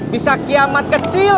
bisa kiamat kecil